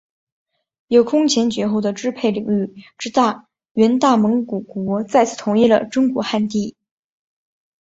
有空前绝后的支配领域之大元大蒙古国再次统一了中国汉地。